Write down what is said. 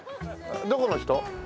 どこの人？